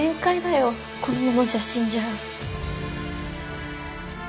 このままじゃ死んじゃう。